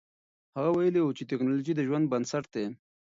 هغه ویلي و چې تکنالوژي د ژوند بنسټ دی.